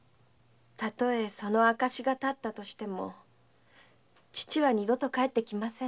例えその証が立っても父は二度と帰ってきません。